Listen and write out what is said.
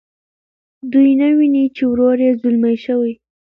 دوی نه ویني چې ورور یې ځلمی شوی.